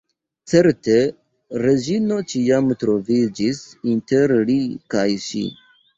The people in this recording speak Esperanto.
Certe Reĝino ĉiam troviĝis inter li kaj ŝi.